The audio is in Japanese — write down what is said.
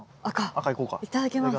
赤いただきます。